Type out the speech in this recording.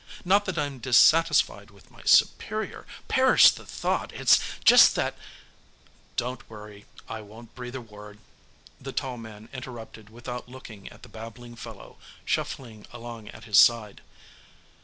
Not that I'm dissatisfied with my superior perish the thought, it's just that " "Don't worry, I won't breathe a word," the tall man interrupted without looking at the babbling fellow shuffling along at his side.